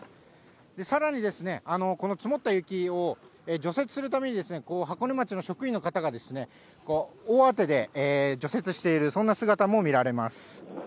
さらにですね、この積もった雪を除雪するために、箱根町の職員の方がですね、大慌てで除雪している、そんな姿も見られます。